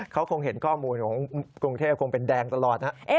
เขาคงเห็นข้อมูลของกรุงเทพคงเป็นแดงตลอดนะ